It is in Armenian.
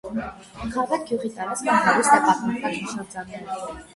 Խավեթ գյուղի տարածքը հարուստ է պատմական հուշարձաններով։